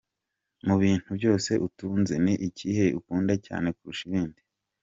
com : Mu bintu byose utunze, ni ikihe ukunda cyane kurusha ibindi ?.